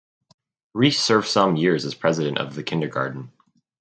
Rees served some years as president of the kindergarten.